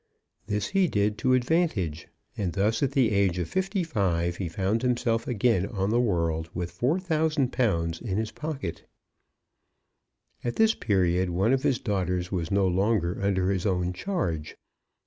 This he did to advantage; and thus at the age of fifty five he found himself again on the world with 4,000_l_. in his pocket. At this period one of his daughters was no longer under his own charge.